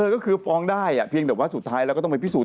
ก็คือฟ้องได้เพียงแต่ว่าสุดท้ายแล้วก็ต้องไปพิสูจน